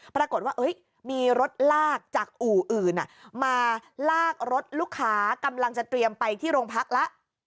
ปรากฏว่ามีรถลากจากอู่อื่นมาลากรถลูกค้ากำลังจะเตรียมไปที่โรงพักแล้ว